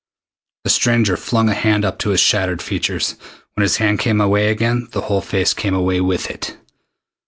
The stranger flung a hand up to his shattered features. When his hand came away again, his whole face came away with it!